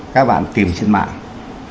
các bạn tìm trên mạng